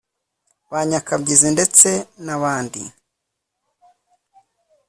ba nyakabyizi ndetse n’abandi